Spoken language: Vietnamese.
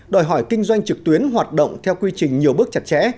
đòi hỏi kinh doanh trực tuyến hoạt động theo quy trình nhiều bước chặt chẽ